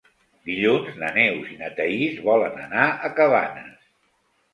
Dilluns na Neus i na Thaís volen anar a Cabanes.